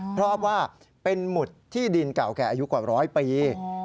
เพราะว่าเป็นหมุดที่ดินเก่าแก่อายุกว่าร้อยปี